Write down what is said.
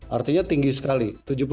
artinya tinggi sekali